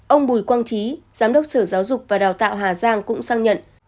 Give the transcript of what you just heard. ông bùi quang trí giám đốc sở giáo dục và đào tạo hà giang cũng sang nhận